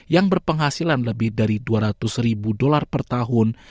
yang berpenghasilan lebih dari dua ratus ribu dolar per tahun